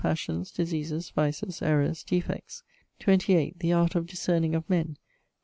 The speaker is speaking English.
Passions, Diseases, Vices, Errours, Defects. 28. The Art of Discerning of Men. 29.